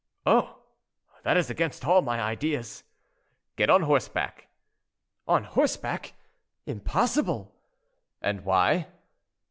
"Oh! that is against all my ideas." "Get on horseback." "On horseback! impossible." "And why?"